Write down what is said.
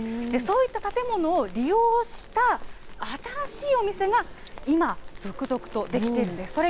そういった建物を利用した新しいお店が、今、続々と出来ているんです。